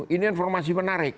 ini informasi menarik